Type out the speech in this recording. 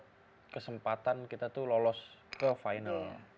itu kesempatan kita tuh lolos ke final